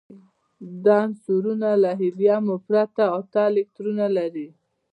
دا عنصرونه له هیلیوم پرته اته الکترونونه لري.